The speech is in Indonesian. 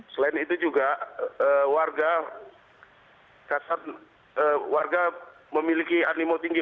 selain itu juga warga memiliki animo tinggi